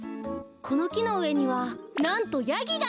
このきのうえにはなんとヤギが！